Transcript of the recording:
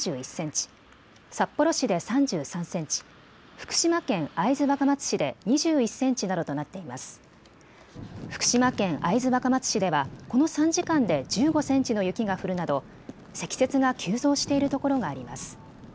福島県会津若松市ではこの３時間で１５センチの雪が降るなど積雪が急増しているところがあります。